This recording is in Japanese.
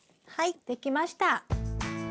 はい出来ました。